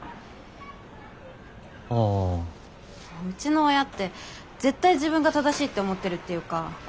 うちの親って絶対自分が正しいって思ってるっていうか。